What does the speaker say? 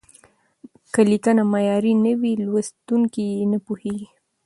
که لیکنه معیاري نه وي، لوستونکي یې نه پوهېږي.